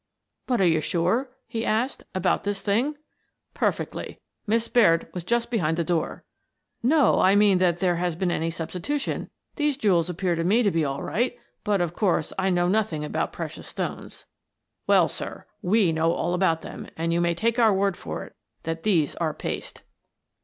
"But are you sure," he asked, "about this thing?" " Perfectly. Miss Baird was just behind the door." "No; I mean that there has been any substitu tion. These jewels appear to me to be all right, but, of course, I know nothing about precious stones." " Well, sir, we know all about them, and you may take our word for it that these are paste."